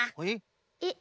えっ。